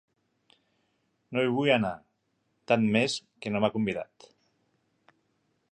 No hi vull anar; tant més que no m'ha convidat.